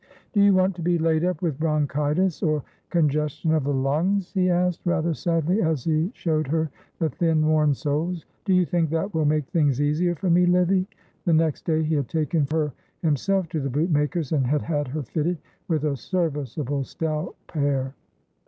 "Do you want to be laid up with bronchitis or congestion of the lungs?" he asked, rather sadly, as he showed her the thin, worn soles; "do you think that will make things easier for me, Livy?" The next day he had taken her himself to the bootmaker's and had had her fitted with a serviceable stout pair.